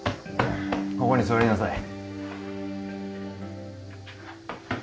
ここに座りなさい。